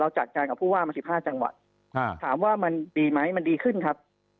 จัดการกับผู้ว่ามา๑๕จังหวัดถามว่ามันดีไหมมันดีขึ้นครับ